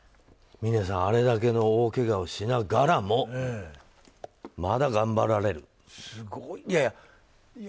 峰さん、あれだけの大けがをしながらもまだ頑張られる。